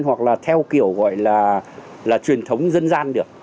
hoặc là theo kiểu gọi là truyền thống dân gian được